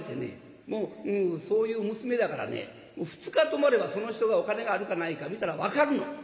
もうそういう娘だからね２日泊まればその人がお金があるかないか見たら分かるの。